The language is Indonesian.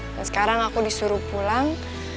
dan sekarang aku disuruh pulang